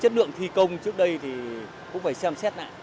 hiện tượng thi công trước đây thì cũng phải xem xét lại